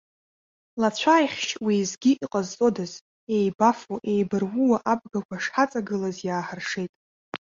Лацәааихшь уеизгьы иҟазҵодаз, еибафо, еибарууа абгақәа шҳаҵагылаз иааҳаршеит.